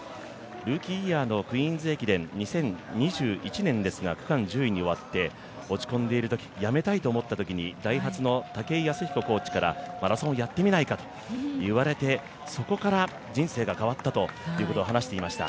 ルーキーイヤーのクイーンズ駅伝でしたが区間１０位に終わって、落ち込んでいるとき、やめたいと思ったときにダイハツのコーチからマラソンをやってみないかと言われて、そこから人生が変わったという話をしていました。